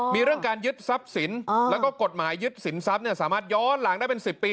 มีเรื่องการยึดทรัพย์ศิลป์และกฎหมายยึดศิลป์สามารถย้อนหลังได้เป็น๑๐ปี